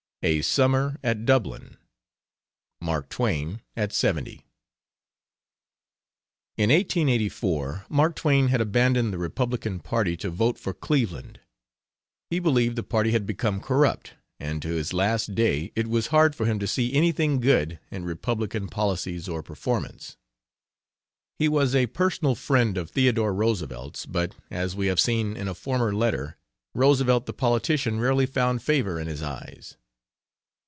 A SUMMER AT DUBLIN. MARK TWAIN AT 70. In 1884 Mark Twain had abandoned the Republican Party to vote for Cleveland. He believed the party had become corrupt, and to his last day it was hard for him to see anything good in Republican policies or performance. He was a personal friend of Theodore Roosevelt's but, as we have seen in a former letter, Roosevelt the politician rarely found favor in his eyes.